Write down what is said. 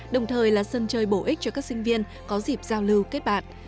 đồng thời là sân chơi bổ ích cho các sinh viên có dịp giao lưu kết bạn